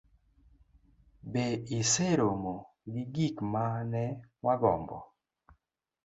be iseromo gi gik ma ne wagombo?